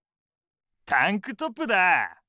タンクトップだぁ！